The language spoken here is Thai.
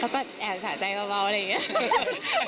แอบสะใจเบาอะไรอย่างนี้